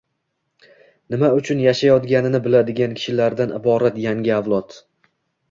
nima uchun yashayotganini biladigan kishilardan iborat yangi avlod